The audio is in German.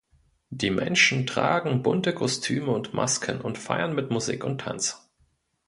Die Menschen tragen bunte Kostüme und Masken und feiern mit Musik und Tanz.